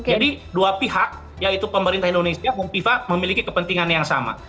jadi dua pihak yaitu pemerintah indonesia dan fifa memiliki kepentingan yang sama